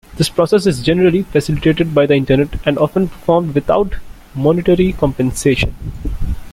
The process is generally facilitated by the Internet and often performed without monetary compensation.